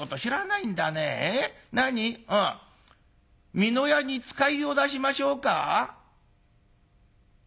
美濃屋に使いを出しましょうか？